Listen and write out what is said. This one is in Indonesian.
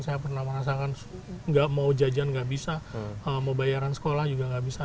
saya pernah merasakan nggak mau jajan nggak bisa mau bayaran sekolah juga nggak bisa